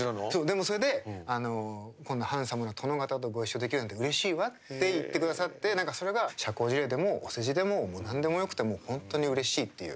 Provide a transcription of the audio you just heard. でもそれでこんなハンサムな殿方とご一緒できるなんてうれしいわって言ってくださって何かそれが社交辞令でもお世辞でももう何でもよくて本当にうれしいっていう。